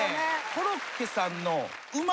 コロッケさんの。